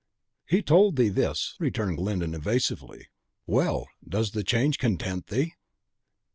"He told thee this!" returned Glyndon, evasively. "Well! does the change content thee?"